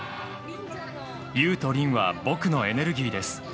優と鈴は僕のエネルギーです。